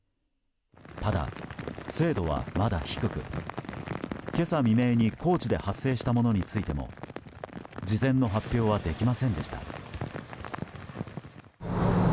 ただ、精度はまだ低く今朝未明に高知で発生したものについても事前の発表はできませんでした。